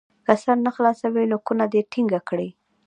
که سر نه خلاصوي نو کونه دې ټینګه کړي.